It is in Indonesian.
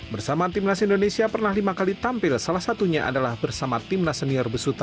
bersama tim nas indonesia pernah lima kali tampil salah satunya adalah bersama tim nas senior besuta